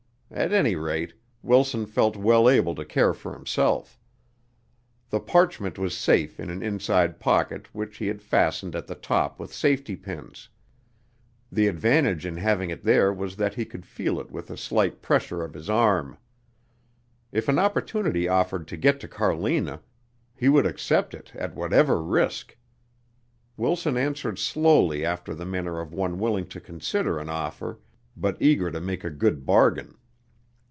At any rate, Wilson felt well able to care for himself. The parchment was safe in an inside pocket which he had fastened at the top with safety pins. The advantage in having it there was that he could feel it with a slight pressure of his arm. If an opportunity offered to get to Carlina, he would accept it at whatever risk. Wilson answered slowly after the manner of one willing to consider an offer but eager to make a good bargain.